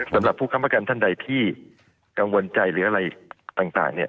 สำหรับผู้ค้ำประกันท่านใดที่กังวลใจหรืออะไรต่างเนี่ย